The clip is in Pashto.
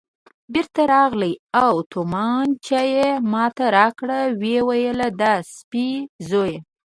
بېرته راغلی او تومانچه یې ما ته راکړل، ویې ویل: د سپي زوی.